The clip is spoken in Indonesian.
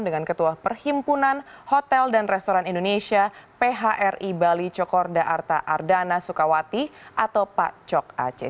dengan ketua perhimpunan hotel dan restoran indonesia phri bali cokorda arta ardana sukawati atau pak cok aceh